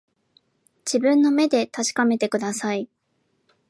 自分の目で確かめてください